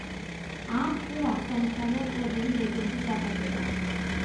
ამ მხრივ აღსანიშნავია კრებული „ლეგენდის დაბადება“.